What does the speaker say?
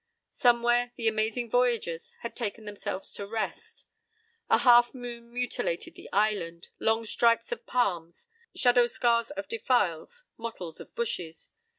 Somewhere the amazing voyagers had taken themselves to rest. A half moon mutilated the island—long stripes of palms, shadow scars of defiles, mottles of bushes.